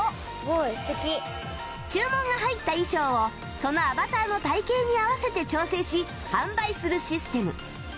注文が入った衣装をそのアバターの体形に合わせて調整し販売するシステム